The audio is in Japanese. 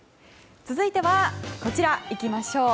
続いては、こちらいきましょう。